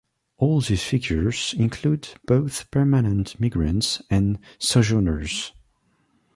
All these figures include both permanent migrants and sojourners.